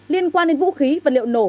liên quan đến vũ khí vật liệu nổ